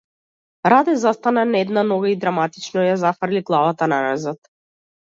Раде застана на една нога и драматично ја зафрли главата наназад.